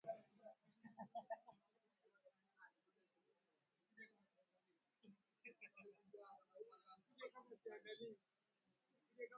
Mzunguko mbaya wa ukamuaji maziwa kuanza kukamua ngombe wenye ugonjwa